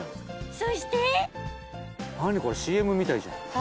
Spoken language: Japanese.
そして何これＣＭみたいじゃん。